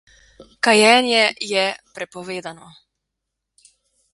Kajenje je prepovedano.